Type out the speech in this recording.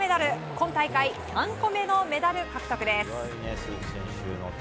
今大会３個目のメダル獲得です。